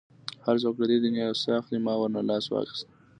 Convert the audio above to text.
هر څوک له دې دنیا یو څه اخلي، ما ورنه لاس واخیست.